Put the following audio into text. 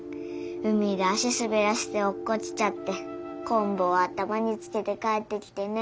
海で足すべらせておっこちちゃってこんぶを頭につけて帰ってきてね。